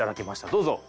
どうぞ。